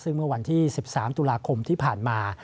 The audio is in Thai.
ซึ่งเมื่อวันที่๑๓ตุลาคมที่ผ่านมา